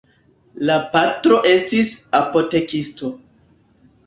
La patro estis apotekisto.